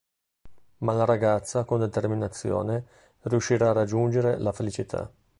Ma la ragazza con determinazione riuscirà a raggiungere la felicità.